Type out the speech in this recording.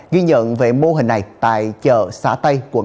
ghi nhận về mô hình này tại chợ xã tây quận tám